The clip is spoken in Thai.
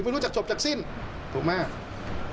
รู้จักจบจากสิ้นถูกไหม